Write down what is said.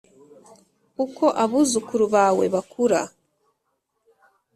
uko abuzukuru bawe bakura